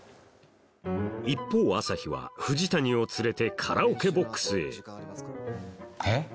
一方朝陽は藤谷を連れてカラオケボックスへえっ？